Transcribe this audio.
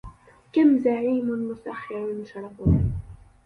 كم زعيم مسخر شرفه